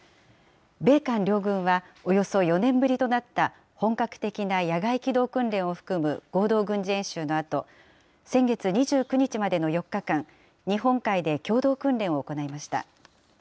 米韓両軍は、およそ４年ぶりとなった本格的な野外機動訓練を含む合同軍事演習のあと、先月２９日までの４日間、日本海で共同訓練を行いました。